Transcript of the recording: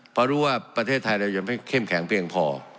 เพราะรู้ว่าประเทศไทยเรายังไม่เข้มแข็งเพียงพอ